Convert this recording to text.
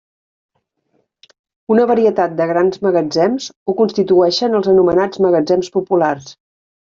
Una varietat de grans magatzems ho constitueixen els anomenats magatzems populars.